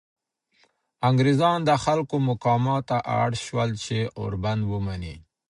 انګریزان د خلکو مقاومت ته اړ شول چې اوربند ومني.